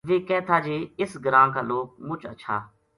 ویہ کہہ تھا جے اس گراں کا لوک مچ ہچھا